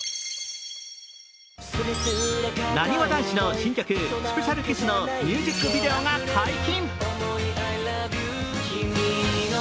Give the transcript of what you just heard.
なにわ男子の新曲「ＳｐｅｃｉａｌＫｉｓｓ」のミュージックビデオが解禁。